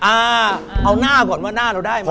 อ่าเอาหน้าก่อนว่าหน้าเราได้หมด